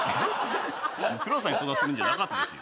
黒田さんに相談するんじゃなかったですよ